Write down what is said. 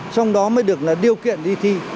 trong đó mới được là điều kiện đi thi